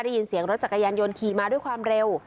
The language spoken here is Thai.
ได้ยินเสียงรถจักรยานยนต์ขี่มาด้วยความเร็ว